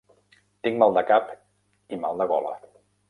Tinc mal de cap i mal de gola.